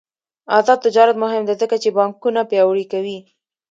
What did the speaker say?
آزاد تجارت مهم دی ځکه چې بانکونه پیاوړي کوي.